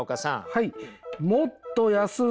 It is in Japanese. はい。